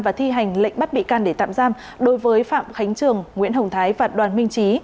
và thi hành lệnh bắt bị can để tạm giam đối với phạm khánh trường nguyễn hồng thái và đoàn minh trí